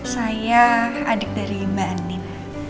saya adik dari mbak anim